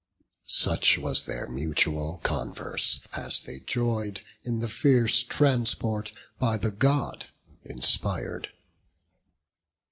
Such was their mutual converse, as they joy'd In the fierce transport by the God inspir'd.